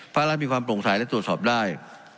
ภาครัฐมีความโปร่งใสและตรวจสอบได้